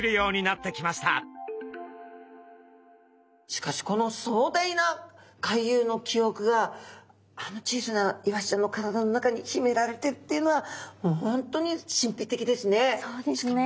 しかしこの壮大な回遊のきおくがあの小さなイワシちゃんの体の中にひめられてるっていうのはもう本当に神秘的ですね。